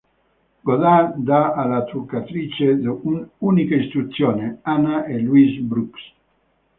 Godard dà alla truccatrice un'unica istruzione: “Anna, è Louise Brooks”.